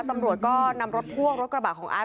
ตำรวจก็นำรถพ่วงรถกระบะของอาร์ต